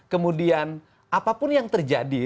kemudian apapun yang terjadi